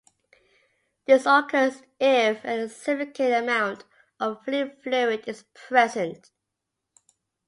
This occurs if a significant amount of free fluid is present.